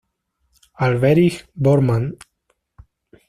Alberich Bormann